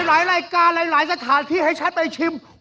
หลายรายการหลายสถานที่ให้ชัดไปชิม